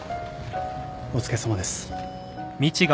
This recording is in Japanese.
お疲れさまです。